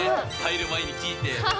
入る前に聞いて。